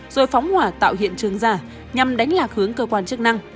rồi phóng hỏa tạo hiện trường giả nhằm đánh lạc hướng cơ quan chức năng